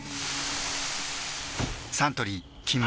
サントリー「金麦」